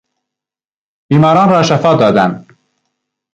بیماران را شفا دادن